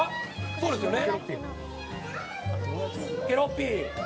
そうですよね。